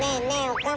岡村。